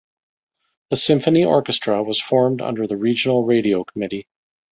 The symphony orchestra was formed under the regional radio committee.